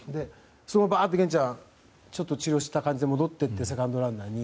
そのまま源ちゃんが治療した感じで戻って行ってセカンドランナーに。